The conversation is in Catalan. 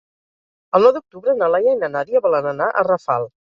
El nou d'octubre na Laia i na Nàdia volen anar a Rafal.